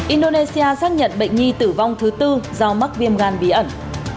indonesia xác nhận bệnh nhi tử vong thứ tư do mắc viêm gan bí ẩn